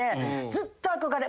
ずっと憧れ。